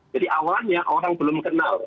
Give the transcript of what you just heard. jadi awalnya orang belum kenal